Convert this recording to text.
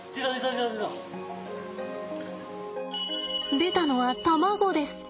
出たのは卵です。